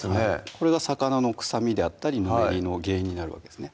これが魚の臭みであったりぬめりの原因になるわけですね